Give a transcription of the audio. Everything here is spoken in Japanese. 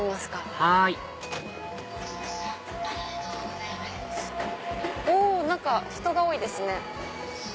はいお何か人が多いですね。